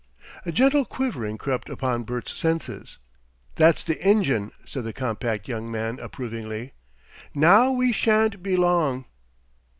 A gentle quivering crept upon Bert's senses. "That's the engine," said the compact young man approvingly. "Now we shan't be long."